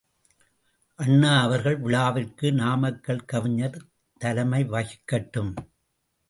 அண்ணா அவர்கள் விழாவிற்கு நாமக்கல் கவிஞர் தலைமை வகிக்கட்டும்.